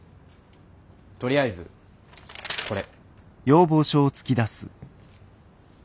とりあえずこれ。